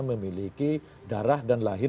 memiliki darah dan lahir